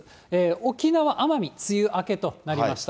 沖縄・奄美、梅雨明けとなりました。